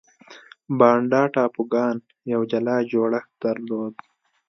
بانډا ټاپوګان یو جلا جوړښت درلود.